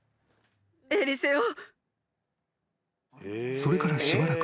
［それからしばらくして